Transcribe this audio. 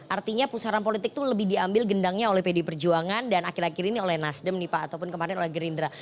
artinya pusaran politik itu lebih diambil gendangnya oleh pdi perjuangan dan akhir akhir ini oleh nasdem nih pak ataupun kemarin oleh gerindra